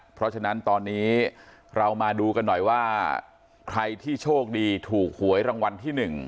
เพราะฉะนั้นตอนนี้เรามาดูกันหน่อยว่าใครที่โชคดีถูกหวยรางวัลที่๑